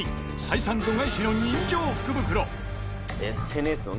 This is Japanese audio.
採算度外視の人情福袋。